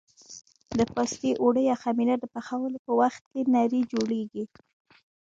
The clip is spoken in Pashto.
د پاستي اوړه یا خمېره د پخولو په وخت کې نرۍ جوړېږي.